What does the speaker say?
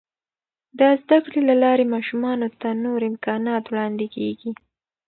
د زده کړې له لارې، ماشومانو ته نور امکانات وړاندې کیږي.